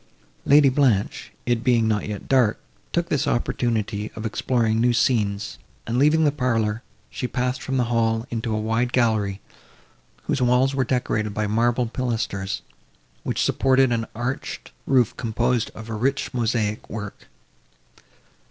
Lady Blanche, it being not yet dark, took this opportunity of exploring new scenes, and, leaving the parlour, she passed from the hall into a wide gallery, whose walls were decorated by marble pilasters, which supported an arched roof, composed of a rich mosaic work.